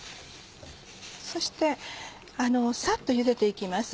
そしてさっとゆでて行きます。